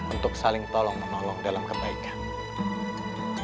untuk saling tolong menolong dalam kebaikan